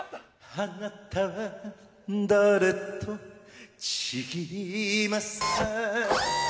あなたは誰と契りますか。